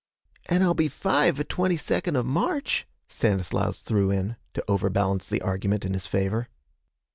'An' I'll be five ve twenty second of March,' Stanislaus threw in to overbalance the argument in his favor.